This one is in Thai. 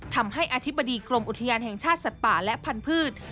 ทำให้อธิบดีกรมอุทยานแห่งชาติสัตว์ป่าและพันธุ์